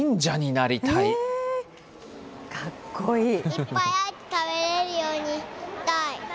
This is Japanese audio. かっこいい。